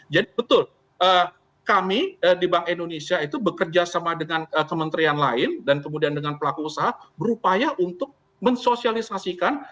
jadi betul kami di bank indonesia itu bekerja sama dengan kementerian lain dan kemudian dengan pelaku usaha berupaya untuk mensosialisasikan